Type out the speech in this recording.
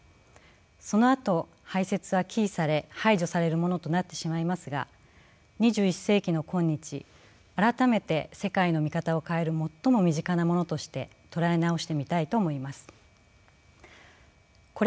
そのあと排泄は忌避され排除されるものとなってしまいますが２１世紀の今日改めて世界の見方を変える最も身近なものとして捉え直してみたいと思います。